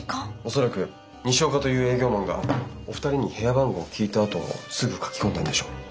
恐らく西岡という営業マンがお二人に部屋番号を聞いたあとすぐ書き込んだんでしょう。